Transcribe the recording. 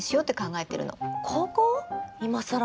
いまさら？